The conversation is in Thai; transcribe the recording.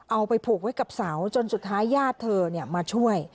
เอาไปผูกไว้กับเสาจนสุดท้ายญาติเธอมาช่วย